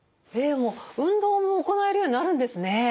もう運動も行えるようになるんですね。